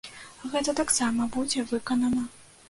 Гэта таксама будзе выканана.